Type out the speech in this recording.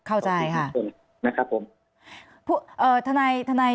อ่าไม่สามารถเปิดเผยได้